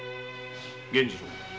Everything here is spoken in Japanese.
源次郎。